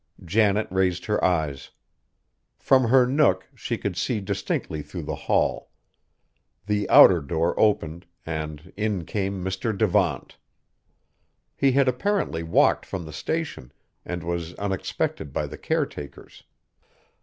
Janet raised her eyes. From her nook she could see distinctly through the hall. The outer door opened, and in came Mr. Devant. He had apparently walked from the station, and was unexpected by the caretakers.